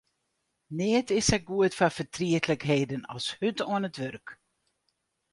Neat is sa goed foar fertrietlikheden as hurd oan it wurk.